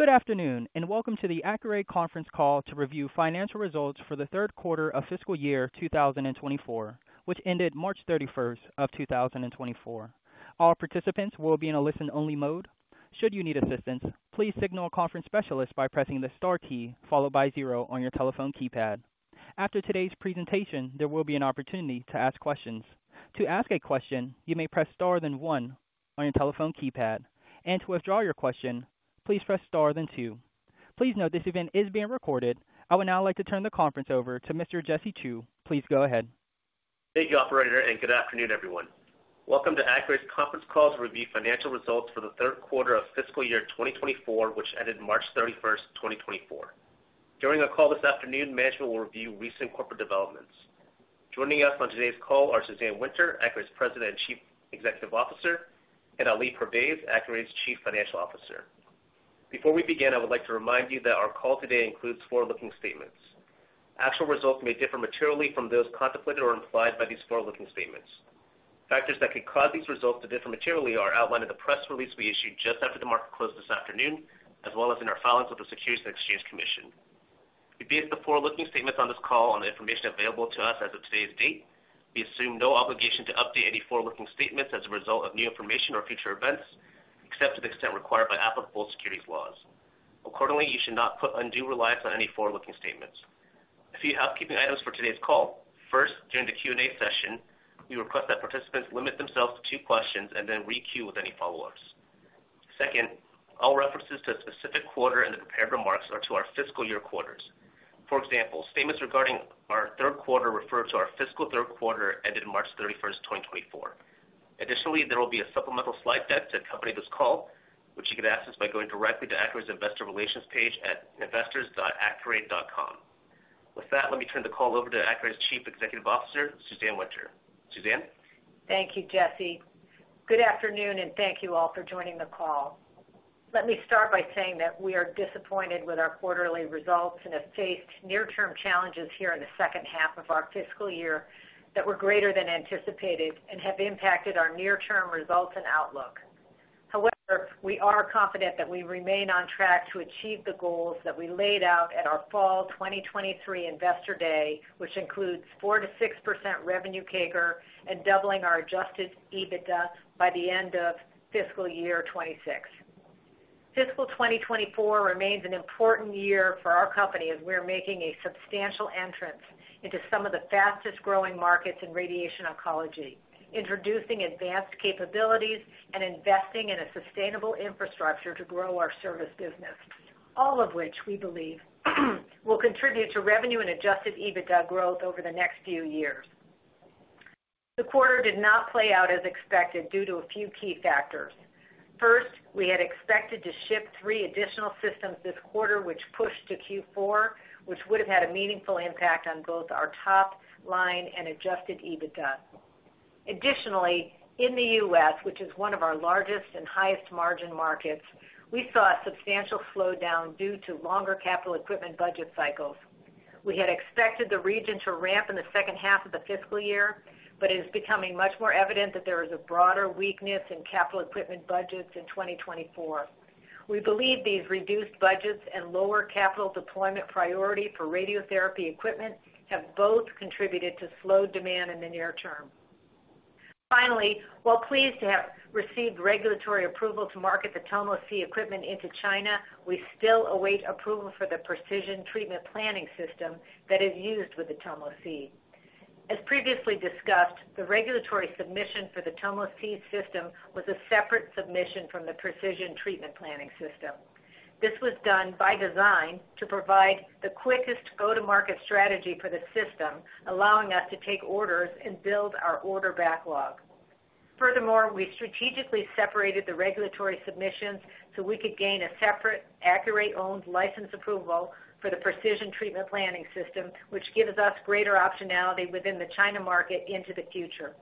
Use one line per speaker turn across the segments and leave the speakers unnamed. Good afternoon, and welcome to the Accuray Conference Call to review financial results for the third quarter of fiscal year 2024, which ended March 31, 2024. All participants will be in a listen-only mode. Should you need assistance, please signal a conference specialist by pressing the star key, followed by zero on your telephone keypad. After today's presentation, there will be an opportunity to ask questions. To ask a question, you may press star, then one on your telephone keypad, and to withdraw your question, please press star, then two. Please note, this event is being recorded. I would now like to turn the conference over to Mr. Jesse Chew. Please go ahead.
Thank you, operator, and good afternoon, everyone. Welcome to Accuray's conference call to review financial results for the third quarter of fiscal year 2024, which ended March 31, 2024. During our call this afternoon, management will review recent corporate developments. Joining us on today's call are Suzanne Winter, Accuray's President and Chief Executive Officer, and Ali Pervaiz, Accuray's Chief Financial Officer. Before we begin, I would like to remind you that our call today includes forward-looking statements. Actual results may differ materially from those contemplated or implied by these forward-looking statements. Factors that could cause these results to differ materially are outlined in the press release we issued just after the market closed this afternoon, as well as in our filings with the Securities and Exchange Commission. We base the forward-looking statements on this call on the information available to us as of today's date. We assume no obligation to update any forward-looking statements as a result of new information or future events, except to the extent required by applicable securities laws. Accordingly, you should not put undue reliance on any forward-looking statements. A few housekeeping items for today's call. First, during the Q&A session, we request that participants limit themselves to two questions and then re-queue with any follow-ups. Second, all references to a specific quarter in the prepared remarks are to our fiscal year quarters. For example, statements regarding our third quarter refer to our fiscal third quarter, ended March 31, 2024. Additionally, there will be a supplemental slide deck to accompany this call, which you can access by going directly to Accuray's Investor Relations page at investors.accuray.com. With that, let me turn the call over to Accuray's Chief Executive Officer, Suzanne Winter. Suzanne?
Thank you, Jesse. Good afternoon, and thank you all for joining the call. Let me start by saying that we are disappointed with our quarterly results and have faced near-term challenges here in the second half of our fiscal year that were greater than anticipated and have impacted our near-term results and outlook. However, we are confident that we remain on track to achieve the goals that we laid out at our Fall 2023 Investor Day, which includes 4%-6% revenue CAGR and doubling our Adjusted EBITDA by the end of fiscal year 2026. Fiscal 2024 remains an important year for our company as we're making a substantial entrance into some of the fastest-growing markets in radiation oncology, introducing advanced capabilities and investing in a sustainable infrastructure to grow our service business, all of which we believe will contribute to revenue and Adjusted EBITDA growth over the next few years. The quarter did not play out as expected due to a few key factors. First, we had expected to ship three additional systems this quarter, which pushed to Q4, which would have had a meaningful impact on both our top line and Adjusted EBITDA. Additionally, in the U.S., which is one of our largest and highest margin markets, we saw a substantial slowdown due to longer capital equipment budget cycles. We had expected the region to ramp in the second half of the fiscal year, but it is becoming much more evident that there is a broader weakness in capital equipment budgets in 2024. We believe these reduced budgets and lower capital deployment priority for radiotherapy equipment have both contributed to slowed demand in the near term. Finally, while pleased to have received regulatory approval to market the Tomo C equipment into China, we still await approval for the Precision Treatment Planning System that is used with the Tomo C. As previously discussed, the regulatory submission for the Tomo C system was a separate submission from the Precision Treatment Planning System. This was done by design to provide the quickest go-to-market strategy for the system, allowing us to take orders and build our order backlog. Furthermore, we strategically separated the regulatory submissions so we could gain a separate, Accuray-owned license approval for the Precision Treatment Planning System, which gives us greater optionality within the China market into the future.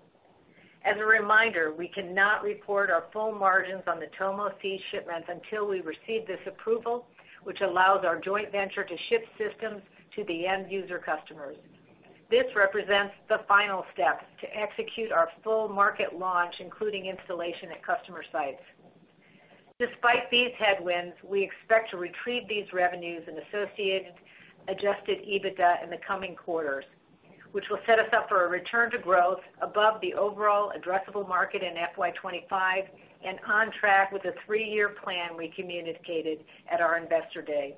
As a reminder, we cannot report our full margins on the Tomo C shipments until we receive this approval, which allows our joint venture to ship systems to the end user customers. This represents the final step to execute our full market launch, including installation at customer sites. Despite these headwinds, we expect to retrieve these revenues and associated Adjusted EBITDA in the coming quarters, which will set us up for a return to growth above the overall addressable market in FY 2025 and on track with the three-year plan we communicated at our Investor Day.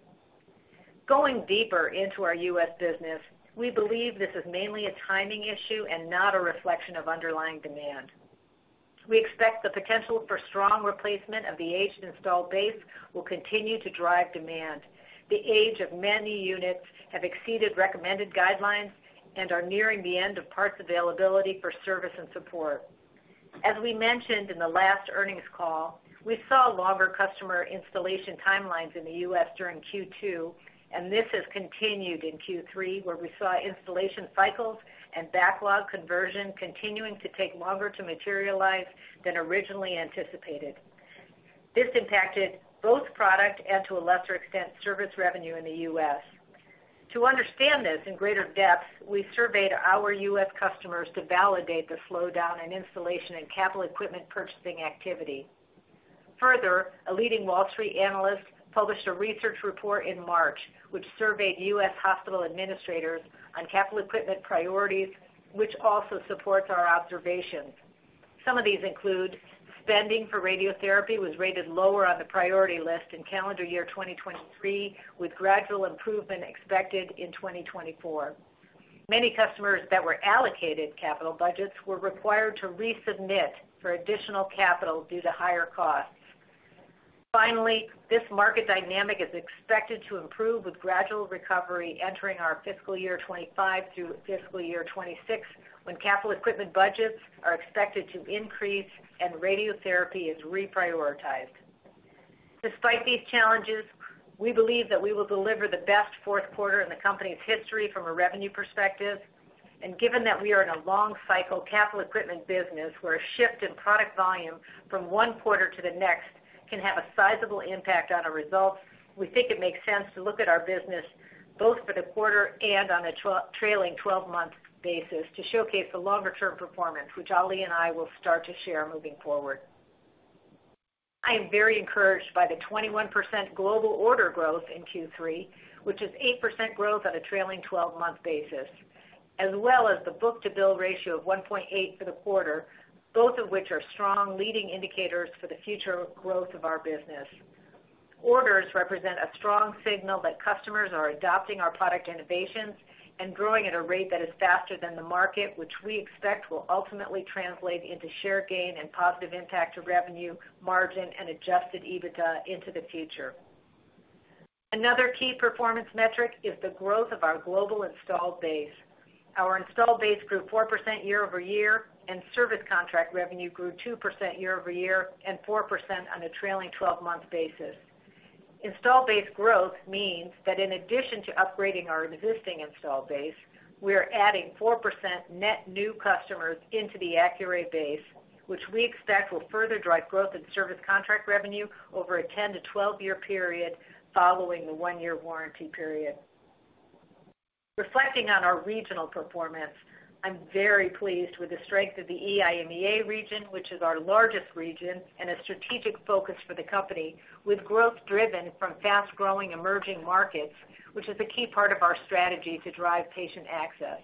Going deeper into our U.S. business, we believe this is mainly a timing issue and not a reflection of underlying demand. We expect the potential for strong replacement of the aged installed base will continue to drive demand. The age of many units have exceeded recommended guidelines and are nearing the end of parts availability for service and support. As we mentioned in the last earnings call, we saw longer customer installation timelines in the U.S. during Q2, and this has continued in Q3, where we saw installation cycles and backlog conversion continuing to take longer to materialize than originally anticipated. This impacted both product and, to a lesser extent, service revenue in the U.S. To understand this in greater depth, we surveyed our U.S. customers to validate the slowdown in installation and capital equipment purchasing activity. Further, a leading Wall Street analyst published a research report in March, which surveyed U.S. hospital administrators on capital equipment priorities, which also supports our observations. Some of these include spending for radiotherapy was rated lower on the priority list in calendar year 2023, with gradual improvement expected in 2024. Many customers that were allocated capital budgets were required to resubmit for additional capital due to higher costs. Finally, this market dynamic is expected to improve with gradual recovery entering our fiscal year 2025 through fiscal year 2026, when capital equipment budgets are expected to increase and radiotherapy is reprioritized. Despite these challenges, we believe that we will deliver the best fourth quarter in the company's history from a revenue perspective, and given that we are in a long-cycle capital equipment business, where a shift in product volume from one quarter to the next can have a sizable impact on our results, we think it makes sense to look at our business both for the quarter and on a trailing 12 month basis to showcase the longer-term performance, which Ali and I will start to share moving forward. I am very encouraged by the 21% global order growth in Q3, which is 8% growth on a trailing 12 month basis, as well as the book-to-bill ratio of 1.8 for the quarter, both of which are strong leading indicators for the future growth of our business. Orders represent a strong signal that customers are adopting our product innovations and growing at a rate that is faster than the market, which we expect will ultimately translate into share gain and positive impact to revenue, margin and Adjusted EBITDA into the future. Another key performance metric is the growth of our global installed base. Our installed base grew 4% year-over-year, and service contract revenue grew 2% year-over-year and 4% on a trailing 12 month basis. Installed base growth means that in addition to upgrading our existing installed base, we are adding 4% net new customers into the Accuray base, which we expect will further drive growth in service contract revenue over a 10-12-year period following the one-year warranty period. Reflecting on our regional performance, I'm very pleased with the strength of the EIMEA region, which is our largest region and a strategic focus for the company, with growth driven from fast-growing emerging markets, which is a key part of our strategy to drive patient access.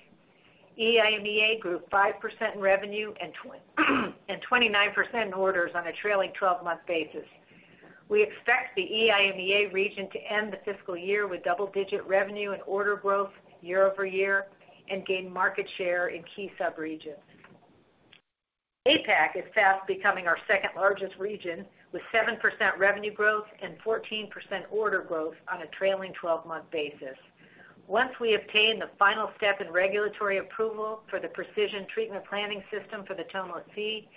EIMEA grew 5% in revenue and 29% in orders on a trailing 12 month basis. We expect the EIMEA region to end the fiscal year with double-digit revenue and order growth year-over-year and gain market share in key sub-regions. APAC is fast becoming our second-largest region, with 7% revenue growth and 14% order growth on a trailing 12 month basis. Once we obtain the final step in regulatory approval for the Precision treatment planning system for the Tomo C,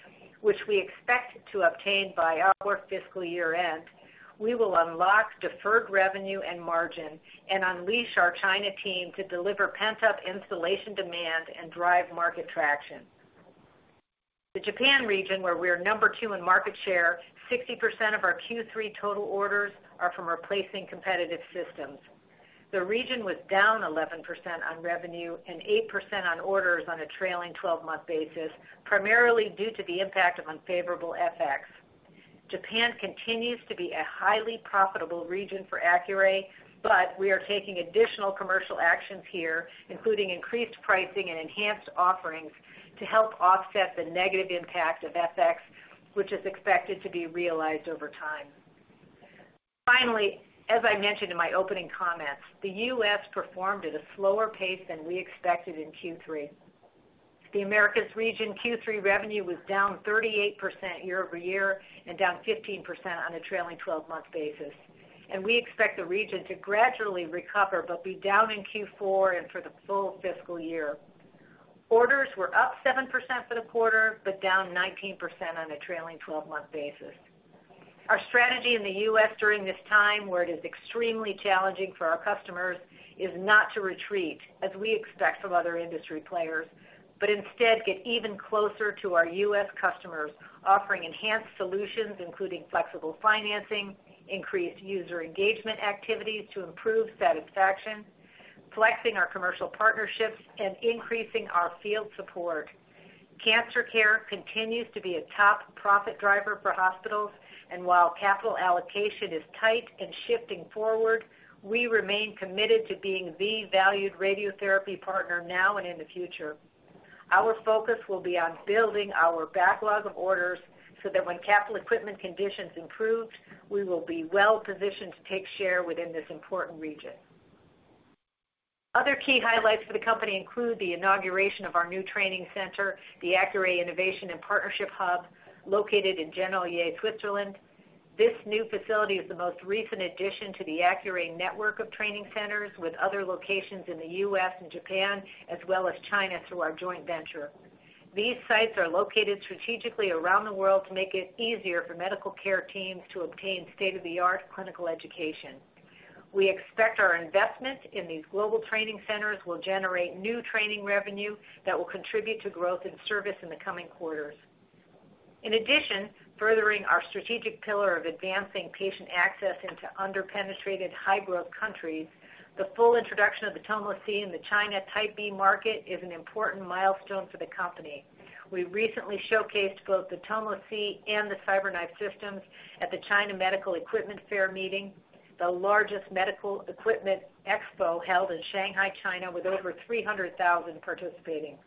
which we expect to obtain by our fiscal year-end, we will unlock deferred revenue and margin and unleash our China team to deliver pent-up installation demand and drive market traction. The Japan region, where we are number two in market share, 60% of our Q3 total orders are from replacing competitive systems. The region was down 11% on revenue and 8% on orders on a trailing 12 month basis, primarily due to the impact of unfavorable FX. Japan continues to be a highly profitable region for Accuray, but we are taking additional commercial actions here, including increased pricing and enhanced offerings, to help offset the negative impact of FX, which is expected to be realized over time. Finally, as I mentioned in my opening comments, the U.S. performed at a slower pace than we expected in Q3. The Americas region Q3 revenue was down 38% year-over-year and down 15% on a trailing twelve-month basis, and we expect the region to gradually recover but be down in Q4 and for the full fiscal year. Orders were up 7% for the quarter, but down 19% on a trailing 12 month basis. Our strategy in the U.S. during this time, where it is extremely challenging for our customers, is not to retreat, as we expect from other industry players, but instead get even closer to our U.S. customers, offering enhanced solutions, including flexible financing, increased user engagement activities to improve satisfaction, flexing our commercial partnerships, and increasing our field support. Cancer care continues to be a top profit driver for hospitals, and while capital allocation is tight and shifting forward, we remain committed to being the valued radiotherapy partner now and in the future. Our focus will be on building our backlog of orders so that when capital equipment conditions improve, we will be well positioned to take share within this important region. Other key highlights for the company include the inauguration of our new training center, the Accuray Innovation and Partnership Hub, located in Genolier, Switzerland. This new facility is the most recent addition to the Accuray network of training centers, with other locations in the U.S. and Japan, as well as China, through our joint venture. These sites are located strategically around the world to make it easier for medical care teams to obtain state-of-the-art clinical education. We expect our investment in these global training centers will generate new training revenue that will contribute to growth in service in the coming quarters. In addition, furthering our strategic pillar of advancing patient access into under-penetrated high-growth countries, the full introduction of the Tomo C in the China Type B market is an important milestone for the company. We recently showcased both the Tomo C and the CyberKnife systems at the China Medical Equipment Fair meeting, the largest medical equipment expo held in Shanghai, China, with over 300,000 participating.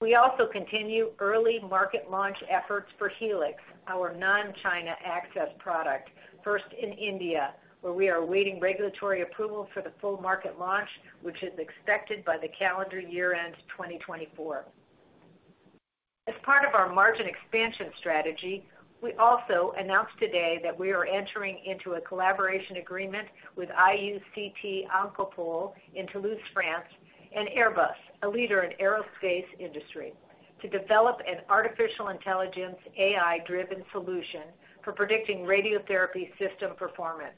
We also continue early market launch efforts for Helix, our non-China access product, first in India, where we are awaiting regulatory approval for the full market launch, which is expected by the calendar year-end 2024. As part of our margin expansion strategy, we also announced today that we are entering into a collaboration agreement with IUCT Oncopole in Toulouse, France, and Airbus, a leader in aerospace industry, to develop an artificial intelligence, AI-driven solution for predicting radiotherapy system performance.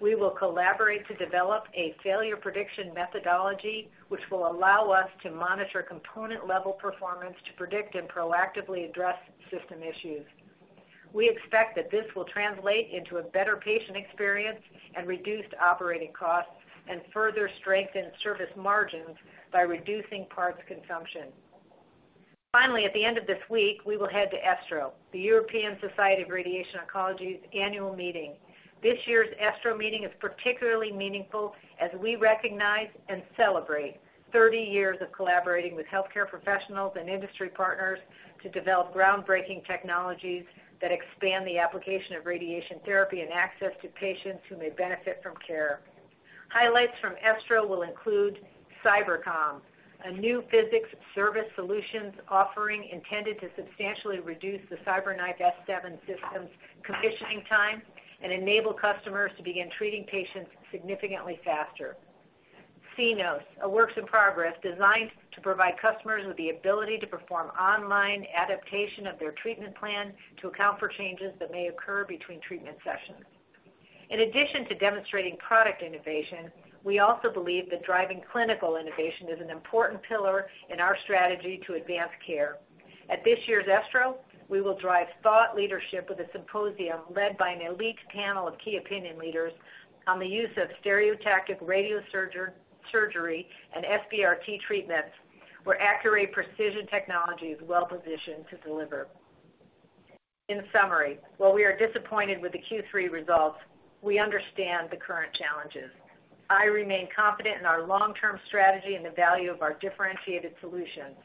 We will collaborate to develop a failure prediction methodology, which will allow us to monitor component-level performance to predict and proactively address system issues. We expect that this will translate into a better patient experience and reduced operating costs and further strengthen service margins by reducing parts consumption. Finally, at the end of this week, we will head to ESTRO, the European Society for Radiotherapy and Oncology's annual meeting. This year's ESTRO meeting is particularly meaningful as we recognize and celebrate 30 years of collaborating with healthcare professionals and industry partners to develop groundbreaking technologies that expand the application of radiation therapy and access to patients who may benefit from care. Highlights from ESTRO will include CyberComm, a new physics service solutions offering intended to substantially reduce the CyberKnife S7 system's commissioning time and enable customers to begin treating patients significantly faster. Cenos, a works in progress, designed to provide customers with the ability to perform online adaptation of their treatment plan to account for changes that may occur between treatment sessions. In addition to demonstrating product innovation, we also believe that driving clinical innovation is an important pillar in our strategy to advance care. At this year's ESTRO, we will drive thought leadership with a symposium led by an elite panel of key opinion leaders on the use of stereotactic radiosurgery and SBRT treatments, where accurate Precision technology is well-positioned to deliver. In summary, while we are disappointed with the Q3 results, we understand the current challenges. I remain confident in our long-term strategy and the value of our differentiated solutions.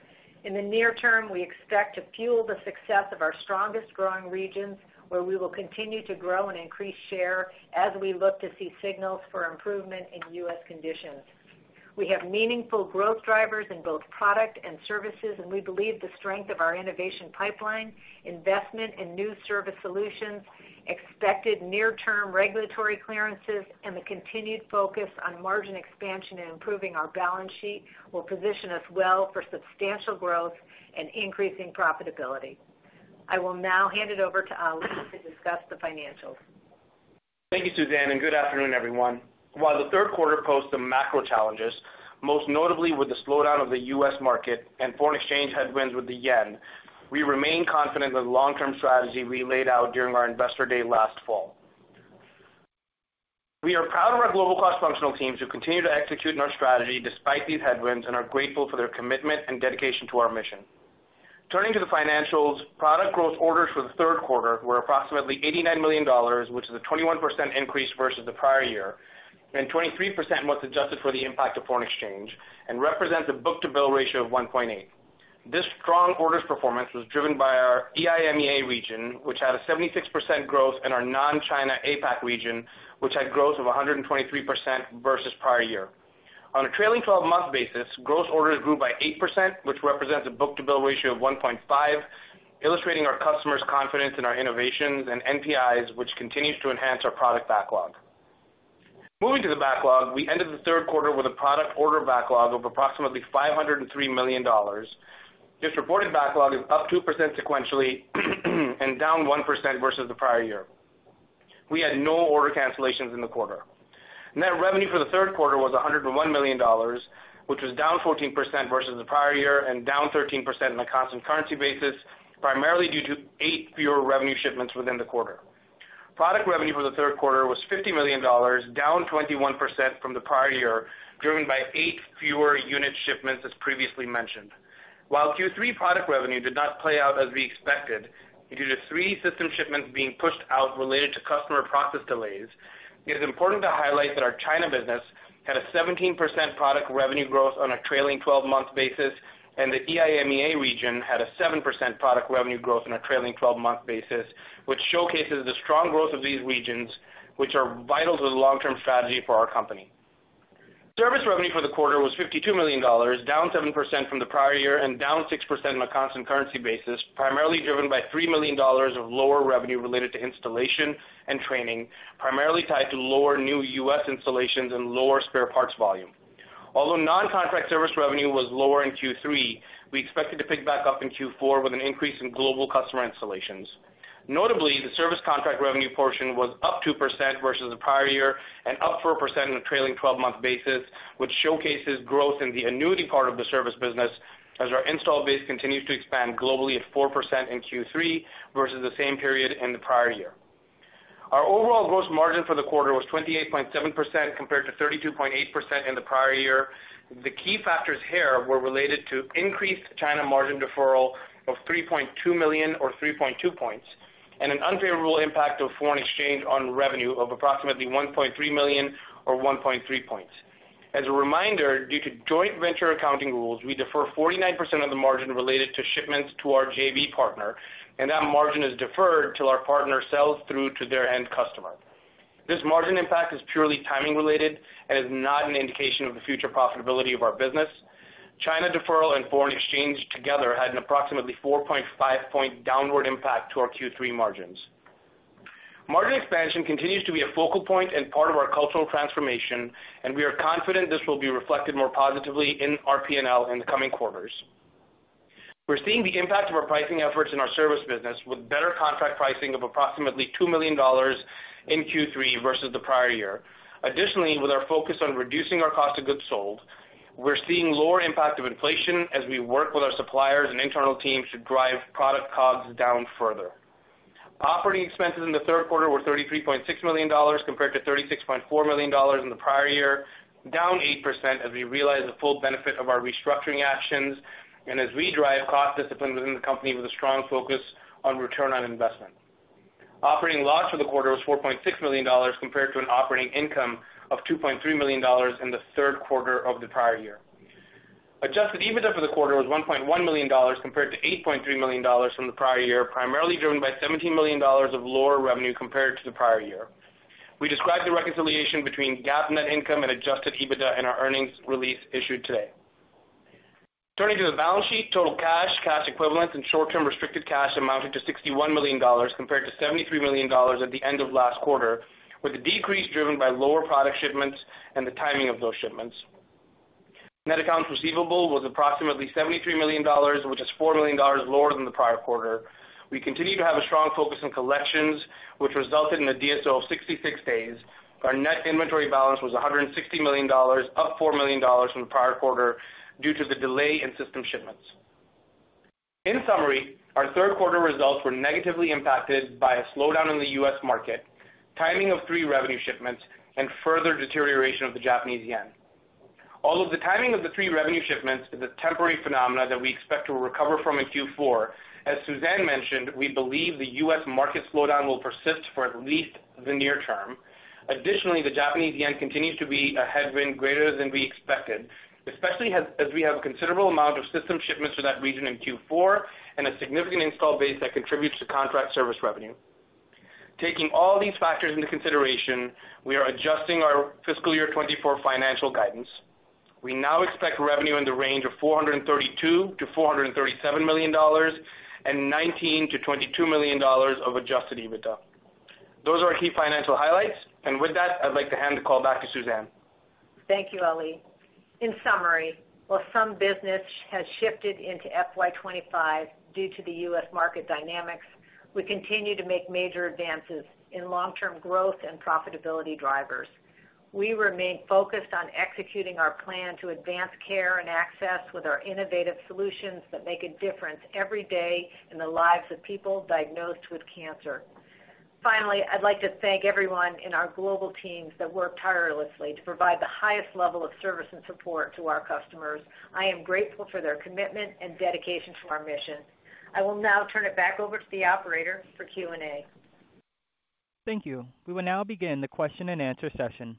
In the near term, we expect to fuel the success of our strongest growing regions, where we will continue to grow and increase share as we look to see signals for improvement in U.S. conditions. We have meaningful growth drivers in both product and services, and we believe the strength of our innovation pipeline, investment in new service solutions, expected near-term regulatory clearances, and the continued focus on margin expansion and improving our balance sheet will position us well for substantial growth and increasing profitability. I will now hand it over to Ali to discuss the financials.
Thank you, Suzanne, and good afternoon, everyone. While the third quarter posed some macro challenges, most notably with the slowdown of the U.S. market and foreign exchange headwinds with the yen, we remain confident in the long-term strategy we laid out during our Investor Day last fall. We are proud of our global cross-functional teams who continue to execute on our strategy despite these headwinds and are grateful for their commitment and dedication to our mission. Turning to the financials, product growth orders for the third quarter were approximately $89 million, which is a 21% increase versus the prior year, and 23% once adjusted for the impact of foreign exchange, and represents a book-to-bill ratio of 1.8. This strong orders performance was driven by our EIMEA region, which had a 76% growth in our non-China APAC region, which had growth of 123% versus prior year. On a trailing 12-month basis, gross orders grew by 8%, which represents a book-to-bill ratio of 1.5, illustrating our customers' confidence in our innovations and NPIs, which continues to enhance our product backlog. Moving to the backlog, we ended the third quarter with a product order backlog of approximately $503 million. This reported backlog is up 2% sequentially and down 1% versus the prior year. We had no order cancellations in the quarter. Net revenue for the third quarter was $101 million, which was down 14% versus the prior year and down 13% on a constant currency basis, primarily due to eight fewer revenue shipments within the quarter. Product revenue for the third quarter was $50 million, down 21% from the prior year, driven by eight fewer unit shipments, as previously mentioned. While Q3 product revenue did not play out as we expected due to three system shipments being pushed out related to customer process delays, it is important to highlight that our China business had a 17% product revenue growth on a trailing 12 month basis, and the EIMEA region had a 7% product revenue growth on a trailing 12 month basis, which showcases the strong growth of these regions, which are vital to the long-term strategy for our company. Service revenue for the quarter was $52 million, down 7% from the prior year and down 6% on a constant currency basis, primarily driven by $3 million of lower revenue related to installation and training, primarily tied to lower new U.S. installations and lower spare parts volume. Although non-contract service revenue was lower in Q3, we expect it to pick back up in Q4 with an increase in global customer installations. Notably, the service contract revenue portion was up 2% versus the prior year and up 4% in the trailing 12 month basis, which showcases growth in the annuity part of the service business, as our installed base continues to expand globally at 4% in Q3 versus the same period in the prior year. Our overall gross margin for the quarter was 28.7% compared to 32.8% in the prior year. The key factors here were related to increased China margin deferral of $3.2 million or 3.2 points, and an unfavorable impact of foreign exchange on revenue of approximately $1.3 million or 1.3 points. As a reminder, due to joint venture accounting rules, we defer 49% of the margin related to shipments to our JV partner, and that margin is deferred till our partner sells through to their end customer. This margin impact is purely timing related and is not an indication of the future profitability of our business. China deferral and foreign exchange together had an approximately 4.5-point downward impact to our Q3 margins. Margin expansion continues to be a focal point and part of our cultural transformation, and we are confident this will be reflected more positively in our P&L in the coming quarters. We're seeing the impact of our pricing efforts in our service business, with better contract pricing of approximately $2 million in Q3 versus the prior year. Additionally, with our focus on reducing our cost of goods sold, we're seeing lower impact of inflation as we work with our suppliers and internal teams to drive product COGS down further. Operating expenses in the third quarter were $33.6 million, compared to $36.4 million in the prior year, down 8%, as we realize the full benefit of our restructuring actions and as we drive cost discipline within the company with a strong focus on return on investment. Operating loss for the quarter was $4.6 million, compared to an operating income of $2.3 million in the third quarter of the prior year. Adjusted EBITDA for the quarter was $1.1 million, compared to $8.3 million from the prior year, primarily driven by $17 million of lower revenue compared to the prior year. We described the reconciliation between GAAP net income and Adjusted EBITDA in our earnings release issued today. Turning to the balance sheet, total cash, cash equivalents, and short-term restricted cash amounted to $61 million, compared to $73 million at the end of last quarter, with the decrease driven by lower product shipments and the timing of those shipments. Net accounts receivable was approximately $73 million, which is $4 million lower than the prior quarter. We continue to have a strong focus on collections, which resulted in a DSO of 66 days. Our net inventory balance was $160 million, up $4 million from the prior quarter due to the delay in system shipments. In summary, our third quarter results were negatively impacted by a slowdown in the U.S. market, timing of three revenue shipments, and further deterioration of the Japanese yen. All of the timing of the three revenue shipments is a temporary phenomenon that we expect to recover from in Q4. As Suzanne mentioned, we believe the U.S. market slowdown will persist for at least the near term. Additionally, the Japanese yen continues to be a headwind greater than we expected, especially as, as we have a considerable amount of system shipments to that region in Q4 and a significant installed base that contributes to contract service revenue. Taking all these factors into consideration, we are adjusting our fiscal year 2024 financial guidance. We now expect revenue in the range of $432 million-$437 million and $19 million-$22 million of Adjusted EBITDA. Those are our key financial highlights, and with that, I'd like to hand the call back to Suzanne.
Thank you, Ali. In summary, while some business has shifted into FY 25 due to the U.S. market dynamics, we continue to make major advances in long-term growth and profitability drivers. We remain focused on executing our plan to advance care and access with our innovative solutions that make a difference every day in the lives of people diagnosed with cancer. Finally, I'd like to thank everyone in our global teams that work tirelessly to provide the highest level of service and support to our customers. I am grateful for their commitment and dedication to our mission. I will now turn it back over to the operator for Q&A.
Thank you. We will now begin the question-and-answer session.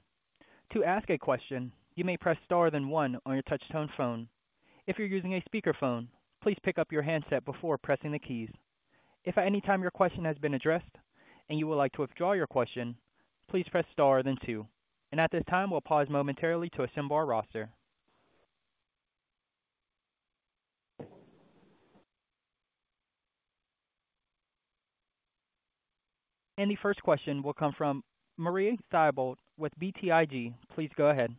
To ask a question, you may press star, then one on your touchtone phone. If you're using a speakerphone, please pick up your handset before pressing the keys. If at any time your question has been addressed and you would like to withdraw your question, please press star, then two. At this time, we'll pause momentarily to assemble our roster. The first question will come from Marie Thibault with BTIG. Please go ahead.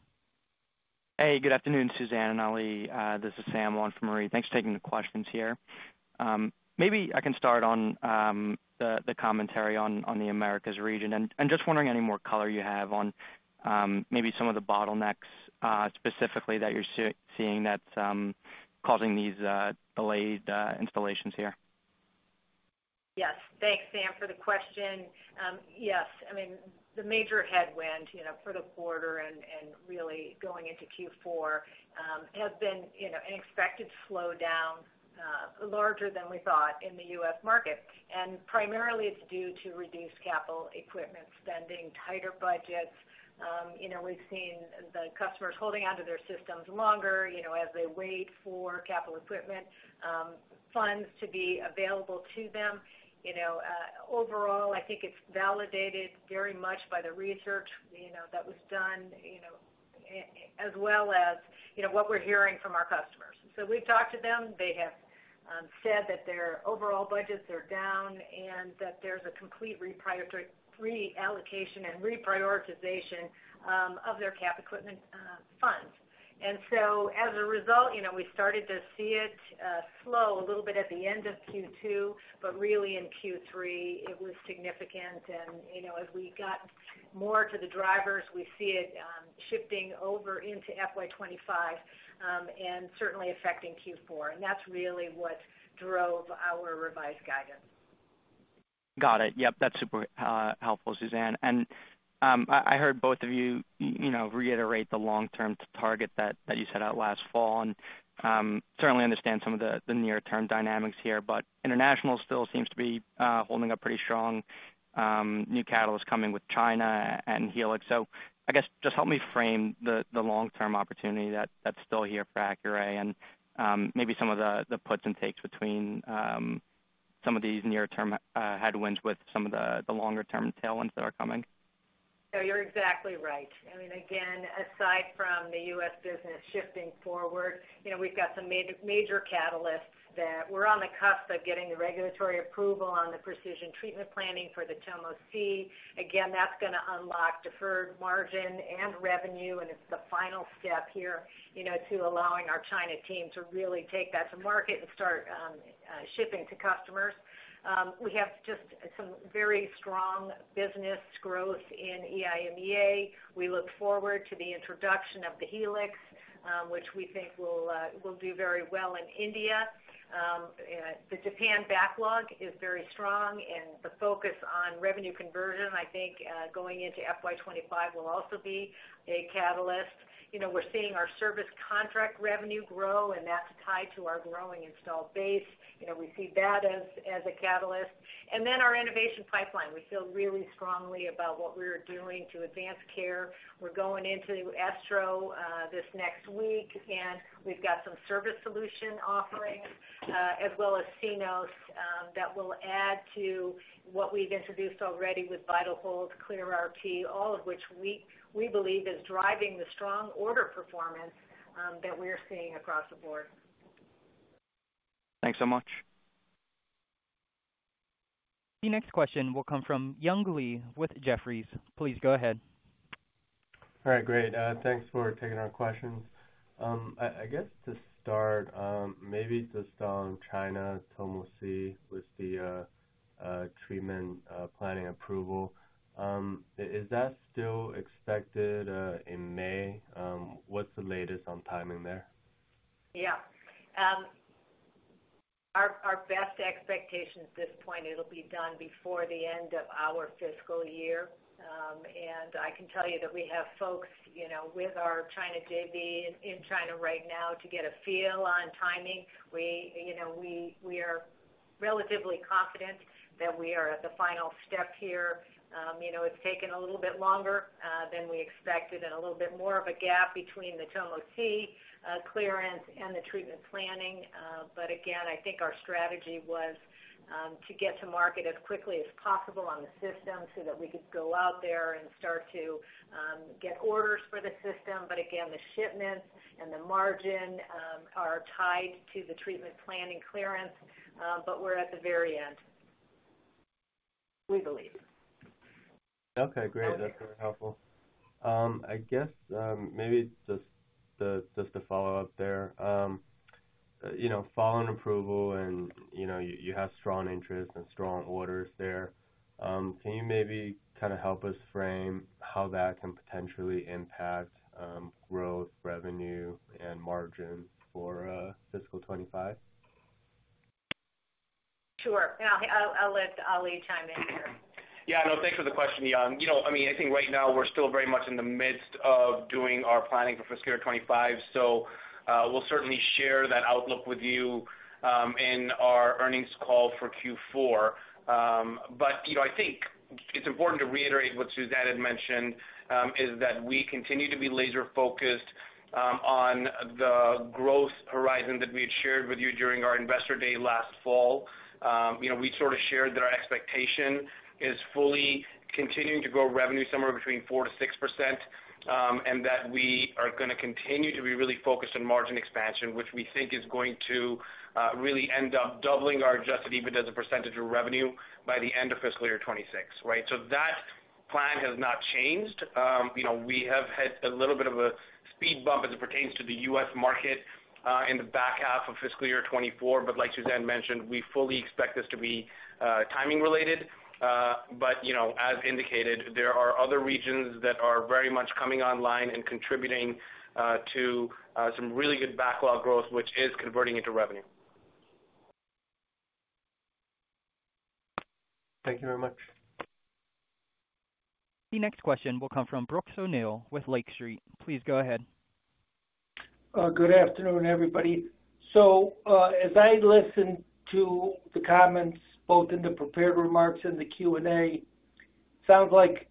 Hey, good afternoon, Suzanne and Ali. This is Sam Ewen for Marie. Thanks for taking the questions here. Maybe I can start on the commentary on the Americas region. Just wondering any more color you have on maybe some of the bottlenecks, specifically that you're seeing that's causing these delayed installations here.
Yes. Thanks, Sam, for the question. Yes, I mean, the major headwind, you know, for the quarter and, and really going into Q4, has been, you know, an expected slowdown, larger than we thought in the U.S. market, and primarily it's due to reduced capital equipment spending, tighter budgets. You know, we've seen the customers holding onto their systems longer, you know, as they wait for capital equipment, funds to be available to them. You know, overall, I think it's validated very much by the research, you know, that was done, you know, as well as, you know, what we're hearing from our customers. So we've talked to them. They have, said that their overall budgets are down, and that there's a complete reallocation and reprioritization, of their cap equipment, funds. So as a result, you know, we started to see it slow a little bit at the end of Q2, but really in Q3, it was significant. You know, as we got more to the drivers, we see it shifting over into FY 25, and certainly affecting Q4. And that's really what drove our revised guidance.
Got it. Yep, that's super helpful, Suzanne. And I heard both of you, you know, reiterate the long-term target that you set out last fall, and certainly understand some of the near-term dynamics here. But international still seems to be holding up pretty strong, new catalysts coming with China and Helix. So I guess just help me frame the long-term opportunity that's still here for Accuray and maybe some of the puts and takes between some of these near-term headwinds with some of the longer-term tailwinds that are coming.
So you're exactly right. I mean, again, aside from the U.S. business shifting forward, you know, we've got some major, major catalysts that we're on the cusp of getting the regulatory approval on the Precision treatment planning for the Tomo C. Again, that's going to unlock deferred margin and revenue, and it's the final step here, you know, to allowing our China team to really take that to market and start shipping to customers. We have just some very strong business growth in EIMEA. We look forward to the introduction of the Helix, which we think will do very well in India. The Japan backlog is very strong, and the focus on revenue conversion, I think, going into FY 2025, will also be a catalyst. You know, we're seeing our service contract revenue grow, and that's tied to our growing installed base. You know, we see that as, as a catalyst. And then our innovation pipeline. We feel really strongly about what we're doing to advance care. We're going into ESTRO this next week, and we've got some service solution offerings, as well as Cenos, that will add to what we've introduced already with VitalHold, ClearRT, all of which we, we believe is driving the strong order performance, that we're seeing across the board.
Thanks so much.
The next question will come from Young Li with Jefferies. Please go ahead.
All right, great. Thanks for taking our questions. I guess to start, maybe just on China, Tomo C, with the treatment planning approval. Is that still expected in May? What's the latest on timing there?
Yeah. Our best expectation at this point, it'll be done before the end of our fiscal year. And I can tell you that we have folks, you know, with our China JV in China right now to get a feel on timing. We, you know, we are relatively confident that we are at the final step here. You know, it's taken a little bit longer than we expected and a little bit more of a gap between the Tomo C clearance and the treatment planning, but again, I think our strategy was to get to market as quickly as possible on the system so that we could go out there and start to get orders for the system. But again, the shipments and the margin are tied to the treatment planning clearance, but we're at the very end, we believe.
Okay, great. That's very helpful. I guess, maybe just to, just to follow up there. You know, following approval and, you know, you have strong interest and strong orders there, can you maybe kind of help us frame how that can potentially impact, growth, revenue, and margin for, fiscal 2025?
Sure. I'll let Ali chime in here.
Yeah, no, thanks for the question, Young. You know, I mean, I think right now we're still very much in the midst of doing our planning for fiscal year 2025, so we'll certainly share that outlook with you in our earnings call for Q4. But, you know, I think it's important to reiterate what Suzanne had mentioned is that we continue to be laser-focused on the growth horizon that we had shared with you during our Investor Day last fall. You know, we sort of shared that our expectation is fully continuing to grow revenue somewhere between 4%-6%, and that we are going to continue to be really focused on margin expansion, which we think is going to really end up doubling our Adjusted EBITDA as a percentage of revenue by the end of fiscal year 2026, right? So that plan has not changed. You know, we have had a little bit of a speed bump as it pertains to the U.S. market, in the back half of fiscal year 2024, but like Suzanne mentioned, we fully expect this to be, timing related. But you know, as indicated, there are other regions that are very much coming online and contributing, to some really good backlog growth, which is converting into revenue.
Thank you very much.
The next question will come from Brooks O'Neil with Lake Street. Please go ahead.
Good afternoon, everybody. So, as I listened to the comments, both in the prepared remarks and the Q&A, sounds like,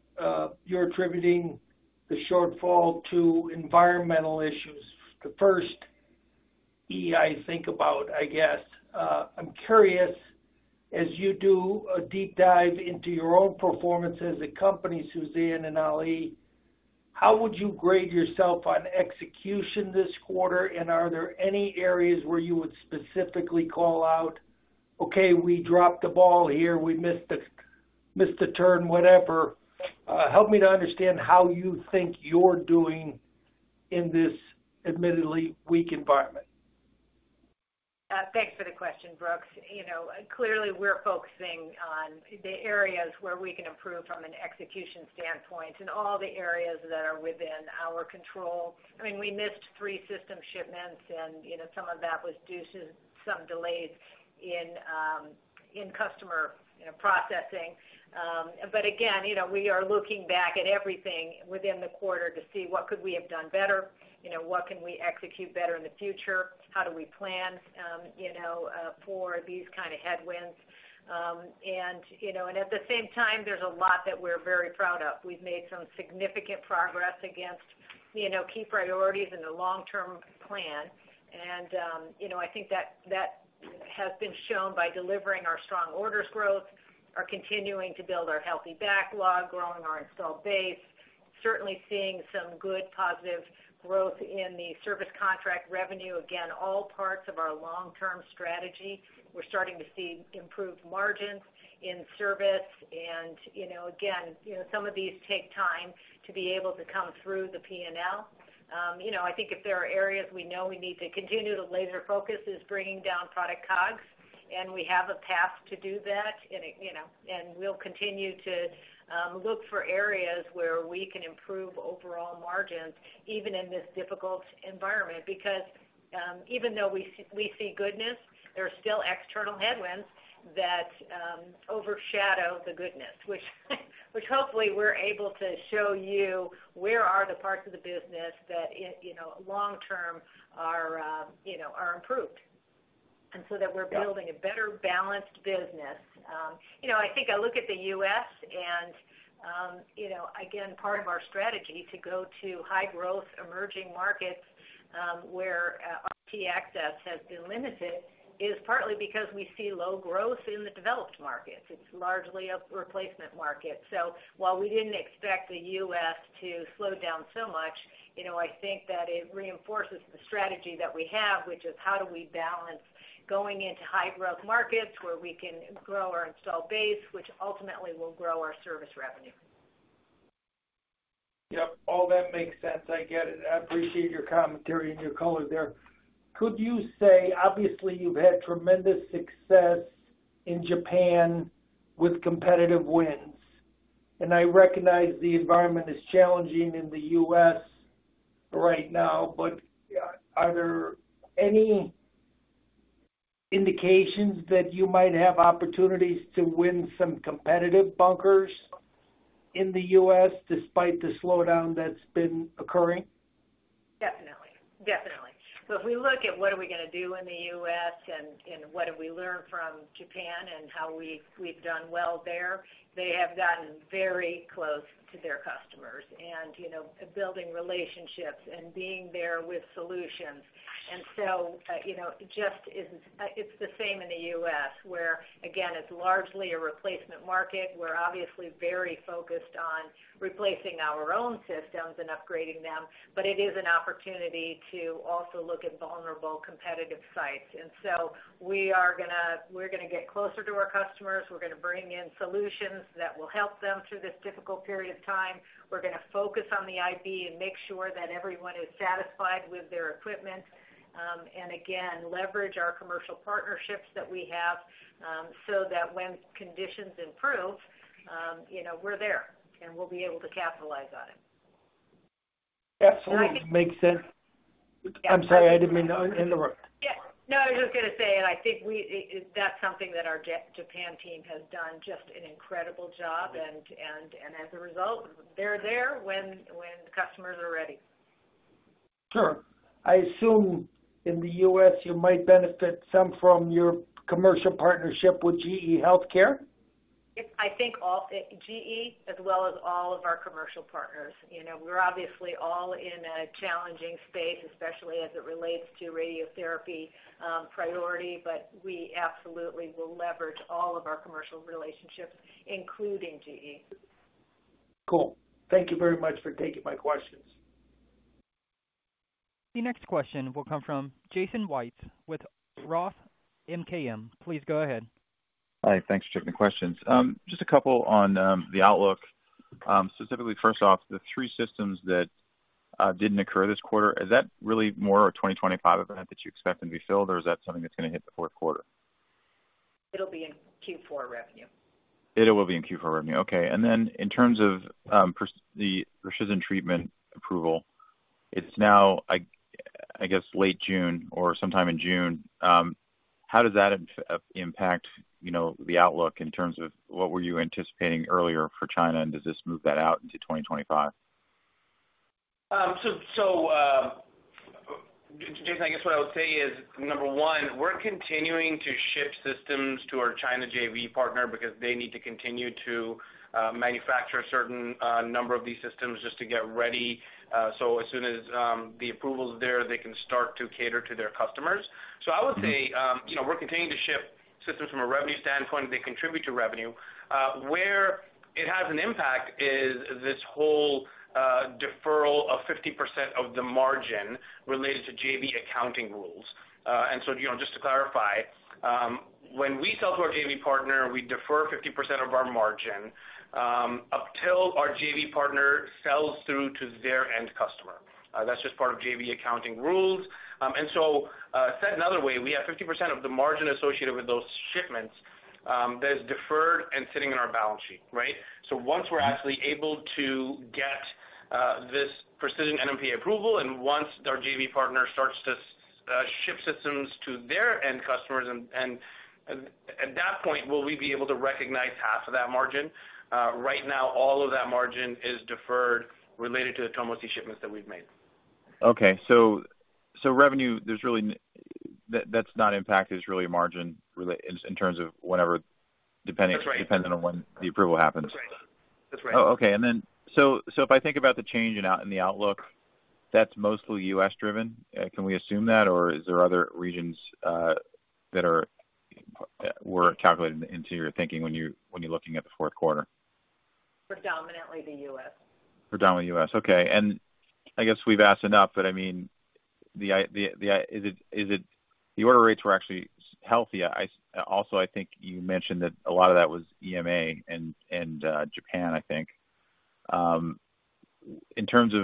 you're attributing the shortfall to environmental issues. The first E I think about, I guess. I'm curious, as you do a deep dive into your own performance as a company, Suzanne and Ali, how would you grade yourself on execution this quarter? And are there any areas where you would specifically call out, "Okay, we dropped the ball here. We missed the turn, whatever, help me to understand how you think you're doing in this admittedly weak environment.
Thanks for the question, Brooks. You know, clearly, we're focusing on the areas where we can improve from an execution standpoint, in all the areas that are within our control. I mean, we missed three system shipments, and, you know, some of that was due to some delays in, in customer, you know, processing. But again, you know, we are looking back at everything within the quarter to see what could we have done better, you know, what can we execute better in the future? How do we plan, you know, for these kind of headwinds? And, you know, and at the same time, there's a lot that we're very proud of. We've made some significant progress against, you know, key priorities in the long-term plan. You know, I think that has been shown by delivering our strong orders growth, are continuing to build our healthy backlog, growing our installed base, certainly seeing some good positive growth in the service contract revenue. Again, all parts of our long-term strategy. We're starting to see improved margins in service, and, you know, again, you know, some of these take time to be able to come through the P&L. You know, I think if there are areas we know we need to continue to laser focus is bringing down product COGS, and we have a path to do that. And it, you know, and we'll continue to look for areas where we can improve overall margins, even in this difficult environment. Because even though we see goodness, there are still external headwinds that overshadow the goodness, which hopefully we're able to show you where are the parts of the business that it, you know, long term are, you know, are improved, and so that we're-
Yeah
Building a better balanced business. You know, I think I look at the U.S. and, you know, again, part of our strategy to go to high-growth emerging markets, where RT access has been limited, is partly because we see low growth in the developed markets. It's largely a replacement market. So while we didn't expect the U.S. to slow down so much, you know, I think that it reinforces the strategy that we have, which is how do we balance going into high-growth markets, where we can grow our installed base, which ultimately will grow our service revenue.
Yep, all that makes sense. I get it. I appreciate your commentary and your color there. Could you say, obviously, you've had tremendous success in Japan with competitive wins, and I recognize the environment is challenging in the U.S. right now, but, are there any indications that you might have opportunities to win some competitive bunkers in the U.S. despite the slowdown that's been occurring?
Definitely. Definitely. So if we look at what are we gonna do in the U.S. and, and what have we learned from Japan and how we've, we've done well there, they have gotten very close to their customers and, you know, building relationships and being there with solutions. And so, you know, just is, it's the same in the U.S., where, again, it's largely a replacement market. We're obviously very focused on replacing our own systems and upgrading them, but it is an opportunity to also look at vulnerable competitive sites. And so we are gonna—we're gonna get closer to our customers. We're gonna bring in solutions that will help them through this difficult period of time. We're gonna focus on the IP and make sure that everyone is satisfied with their equipment. Again, leverage our commercial partnerships that we have, so that when conditions improve, you know, we're there, and we'll be able to capitalize on it.
Absolutely, makes sense.
I think-
I'm sorry, I didn't mean to interrupt.
Yeah. No, I was just gonna say, and I think that's something that our Japan team has done just an incredible job. And as a result, they're there when the customers are ready.
Sure. I assume in the U.S., you might benefit some from your commercial partnership with GE HealthCare?
Yep, I think all GE, as well as all of our commercial partners. You know, we're obviously all in a challenging space, especially as it relates to radiotherapy priority, but we absolutely will leverage all of our commercial relationships, including GE.
Cool. Thank you very much for taking my questions.
The next question will come from Jason Wittes with Roth MKM. Please go ahead.
Hi, thanks for taking the questions. Just a couple on the outlook. Specifically, first off, the three systems that didn't occur this quarter, is that really more a 2025 event that you expect them to be filled, or is that something that's gonna hit the fourth quarter?
It'll be in Q4 revenue.
It will be in Q4 revenue. Okay, and then in terms of the Precision treatment approval, it's now, I guess, late June or sometime in June. How does that impact, you know, the outlook in terms of what were you anticipating earlier for China, and does this move that out into 2025?
So, Jason, I guess what I would say is, number one, we're continuing to ship systems to our China JV partner because they need to continue to manufacture a certain number of these systems just to get ready, so as soon as the approval is there, they can start to cater to their customers. So I would say, you know, we're continuing to ship systems from a revenue standpoint. They contribute to revenue. Where it has an impact is this whole deferral of 50% of the margin related to JV accounting rules. And so, you know, just to clarify, when we sell to our JV partner, we defer 50% of our margin, up till our JV partner sells through to their end customer. That's just part of JV accounting rules. Said another way, we have 50% of the margin associated with those shipments that is deferred and sitting in our balance sheet, right? So once we're actually able to get this Precision NMPA approval, and once our JV partner starts to ship systems to their end customers, and at that point, will we be able to recognize half of that margin. Right now, all of that margin is deferred related to the Tomo C shipments that we've made.
Okay, so revenue, there's really that, that's not impacted. It's really a margin, really, in terms of whenever, depending-
That's right.
Depending on when the approval happens.
That's right. That's right.
Oh, okay. And then, so if I think about the change in the outlook, that's mostly U.S.-driven. Can we assume that, or is there other regions that were calculated into your thinking when you're looking at the fourth quarter?
Predominantly the U.S.
Predominantly U.S. Okay. And I guess we've asked enough, but I mean, is it, is it. The order rates were actually healthy. Also, I think you mentioned that a lot of that was EIMEA and Japan, I think. In terms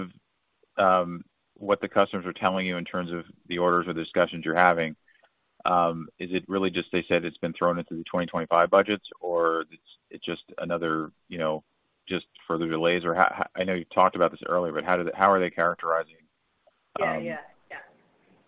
of what the customers are telling you in terms of the orders or discussions you're having, is it really just they said it's been thrown into the 2025 budgets, or it's just another, you know, just further delays? Or how. I know you've talked about this earlier, but how do they, how are they characterizing-
Yeah. Yeah. Yeah.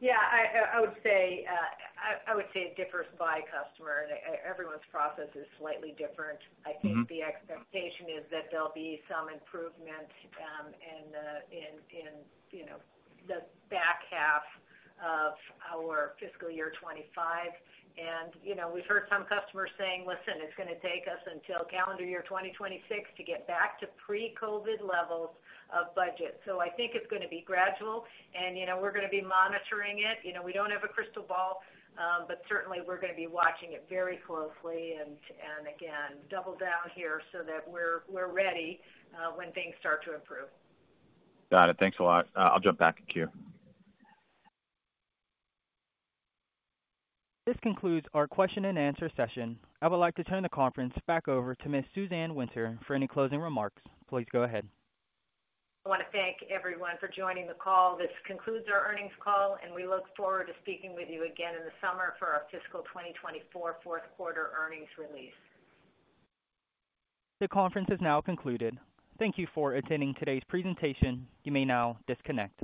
Yeah, I, I would say, I, I would say it differs by customer. Everyone's process is slightly different.
Mm-hmm.
I think the expectation is that there'll be some improvement in the back half of our fiscal year 2025. And, you know, we've heard some customers saying, "Listen, it's going to take us until calendar year 2026 to get back to pre-COVID levels of budget." So I think it's going to be gradual, and, you know, we're going to be monitoring it. You know, we don't have a crystal ball, but certainly, we're going to be watching it very closely, and again, double down here so that we're ready when things start to improve.
Got it. Thanks a lot. I'll jump back in queue.
This concludes our question and answer session. I would like to turn the conference back over to Ms. Suzanne Winter for any closing remarks. Please go ahead.
I want to thank everyone for joining the call. This concludes our Earnings Call, and we look forward to speaking with you again in the summer for our fiscal 2024 Fourth Quarter Earnings Release.
The conference is now concluded. Thank you for attending today's presentation. You may now disconnect.